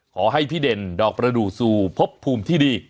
ขอให้พี่เด่นดอกประดูกสู่พบภูมิที่ดี